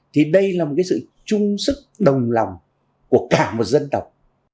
thì đây là một sự trung sức đồng lòng của cả một dân tộc